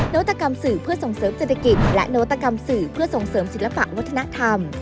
วัตกรรมสื่อเพื่อส่งเสริมเศรษฐกิจและนวัตกรรมสื่อเพื่อส่งเสริมศิลปะวัฒนธรรม